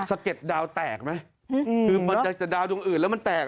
สะเก็ดดาวแตกไหมคือมันจะจะดาวดวงอื่นแล้วมันแตก